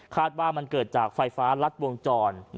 ว่ามันเกิดจากไฟฟ้ารัดวงจร